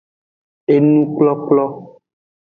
Enukplokplo.